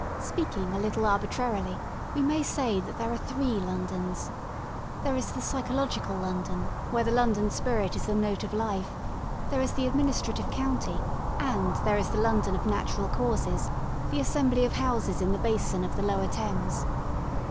Speaking a little arbitrarily, we may say that there are three Londons. There is the psychological London, where the London spirit is the note of life, there is the Administrative County, and there is the London of natural causes, the. assembly of houses in the basin of the lower Thames.